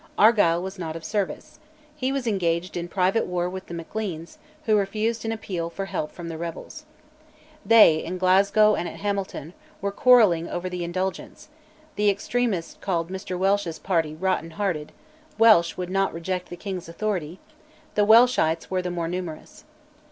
Argyll was not of service; he was engaged in private war with the Macleans, who refused an appeal for help from the rebels. They, in Glasgow and at Hamilton, were quarrelling over the Indulgence: the extremists called Mr Welsh's party "rotten hearted" Welsh would not reject the king's authority the Welshites were the more numerous.